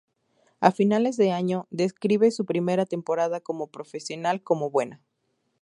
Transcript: A finales de año, describe su primera temporada como profesional como "buena".